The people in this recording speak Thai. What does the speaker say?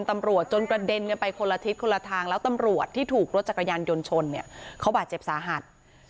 ตำรวจจนกระเด็นกันไปคนละทิศคนละทางแล้วตำรวจที่ถูกรถจักรยานยนต์ชนเนี่ยเขาบาดเจ็บสาหัส